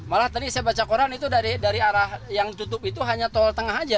malah tadi saya baca koran itu dari arah yang tutup itu hanya tol tengah aja